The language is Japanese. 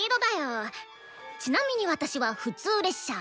ちなみに私は普通列車。